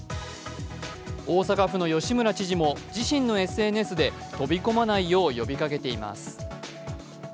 大阪府の吉村知事も自身のＳＮＳで飛び込まないよう呼びかけています。